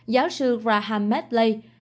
giáo sư raham medley